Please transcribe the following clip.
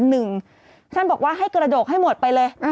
หนึ่งท่านบอกว่าให้กระโดกให้หมดไปเลย